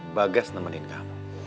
mbak gans nemenin kamu